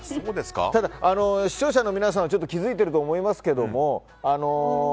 ただ視聴者の皆さんは気付いてると思いますけども。